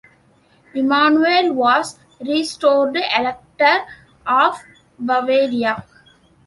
Emanuel was restored Elector of Bavaria.